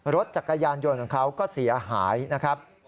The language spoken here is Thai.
รถจักรยานยนต์ของเขาก็เสียหายนะครับ